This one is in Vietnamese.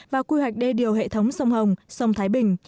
và quy hoạch đê điều hệ thống sông hồng sông thái bình